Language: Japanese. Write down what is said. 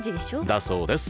だそうです